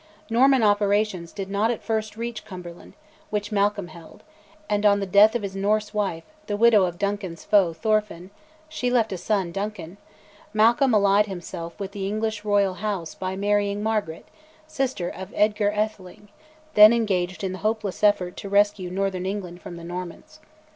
Norman operations did not at first reach Cumberland, which Malcolm held; and, on the death of his Norse wife, the widow of Duncan's foe, Thorfinn (she left a son, Duncan), Malcolm allied himself with the English Royal House by marrying Margaret, sister of Eadgar AEtheling, then engaged in the hopeless effort to rescue northern England from the Normans.